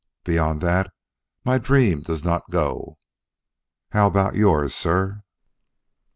Beyond that, my dream does not go. How about yours, sir?"